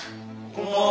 こんばんは。